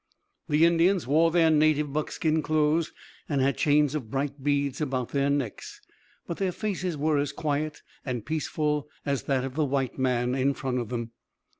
The Indians wore their native buckskin clothes, and had chains of bright beads about their necks, but their faces were as quiet and peaceful as that of the white man in front of them.